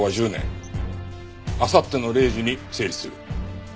あさっての０時に成立する。